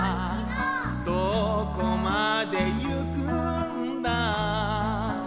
「どこまでゆくんだ」